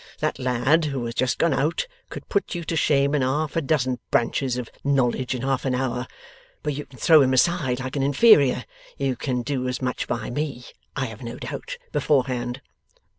That lad who has just gone out could put you to shame in half a dozen branches of knowledge in half an hour, but you can throw him aside like an inferior. You can do as much by me, I have no doubt, beforehand.